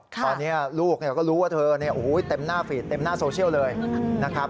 ตอนนี้ลูกก็รู้ว่าเธอเต็มหน้าฟีดเต็มหน้าโซเชียลเลยนะครับ